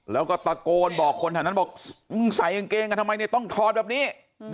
แล้วก็ตะโกนบอกคนทางนั้นหังเกงต้องถอดแบบนี้